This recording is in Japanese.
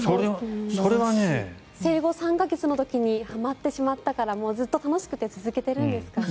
生後３か月の時にはまってしまったからずっと楽しくて続けてるんですかね？